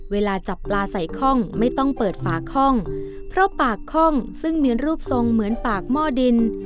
เวลาจับปลาใส่คล่องไม่ต้องเปิดฝาค่องเพราะปากคล่องซึ่งมีรูปทรงเหมือนปากหม้อดิน